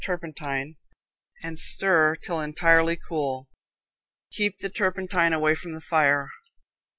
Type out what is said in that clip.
turpentine and stir till entirely cool. Keep the turpentine away from the fire.